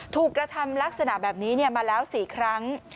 กระทำลักษณะแบบนี้มาแล้ว๔ครั้ง